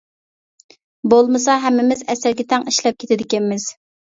بولمىسا ھەممىمىز ئەسەرگە تەڭ ئىشلەپ كېتىدىكەنمىز.